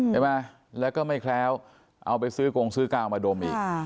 ใช่ไหมแล้วก็ไม่แคล้วเอาไปซื้อกงซื้อกาวมาดมอีก